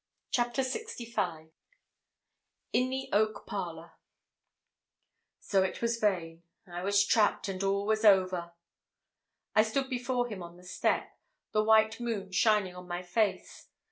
CHAPTER LXV IN THE OAK PARLOUR So it was vain: I was trapped, and all was over. I stood before him on the step, the white moon shining on my face.